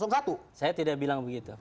saya tidak bilang begitu